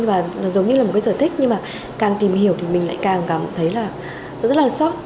và nó giống như là một cái sở thích nhưng mà càng tìm hiểu thì mình lại càng cảm thấy là nó rất là sót